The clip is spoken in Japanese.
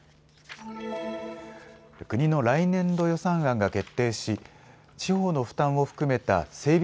国の来年度予算案が決定し地方の負担を含めた整備